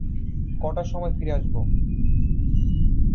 কটার সময় ফিরে আসব?